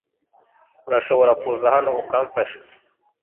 Urashobora kuza hano ukamfasha?